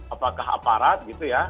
apakah aparat gitu ya